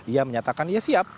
ia menyatakan iya siap